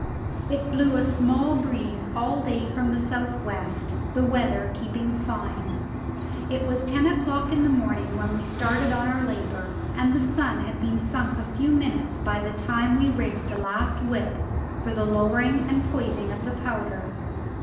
It blew a small breeze all day from the south west, the weather keeping fine. It was ten o'clock in the morning when we started on our labour, and the sun had been sunk a few minutes by the time we had rigged the last whip for the lowering and poising of the powder.